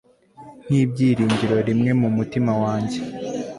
nkibyiringiro rimwe mumutima wanjye